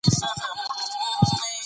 بادي انرژي د افغان کلتور سره تړاو لري.